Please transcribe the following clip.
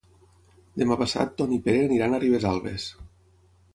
Demà passat en Ton i en Pere aniran a Ribesalbes.